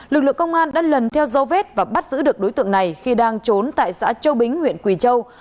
lực lượng công an đã lần theo dấu vết và bắt giữ được đối tượng này khi đang trốn tại xã châu bính huyện quỳ châu